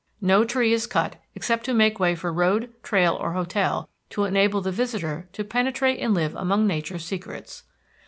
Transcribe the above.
No tree is cut except to make way for road, trail or hotel to enable the visitor to penetrate and live among nature's secrets.